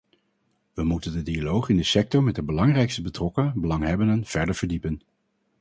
We moeten de dialoog in de sector met de belangrijkste betrokken belanghebbenden verder verdiepen.